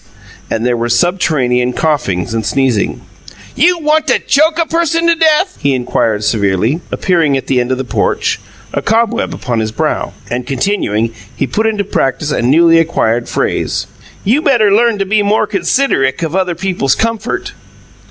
and there were subterranean coughings and sneezings. "You want to choke a person to death?" he inquired severely, appearing at the end of the porch, a cobweb upon his brow. And, continuing, he put into practice a newly acquired phrase, "You better learn to be more considerick of other people's comfort."